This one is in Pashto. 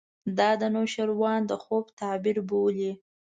دا د نوشیروان د خوب تعبیر بولي.